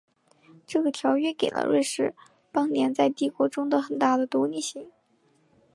这个条约给了瑞士邦联在帝国中的很大的独立性。